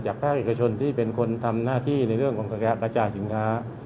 ภาคเอกชนที่เป็นคนทำหน้าที่ในเรื่องของกระจายสินค้า